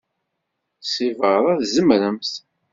Seg beṛṛa, tzemremt.